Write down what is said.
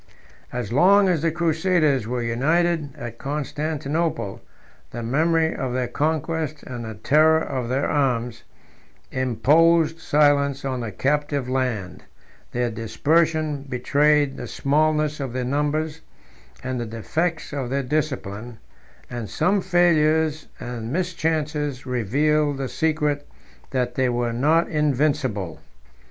As long as the crusaders were united at Constantinople, the memory of their conquest, and the terror of their arms, imposed silence on the captive land: their dispersion betrayed the smallness of their numbers and the defects of their discipline; and some failures and mischances revealed the secret, that they were not invincible.